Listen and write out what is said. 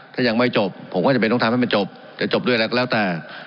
ถ้ายังไม่จบผมก็จำเป็นต้องทำให้มันจบจะจบด้วยอะไรก็แล้วแต่